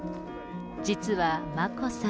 実は眞子さん。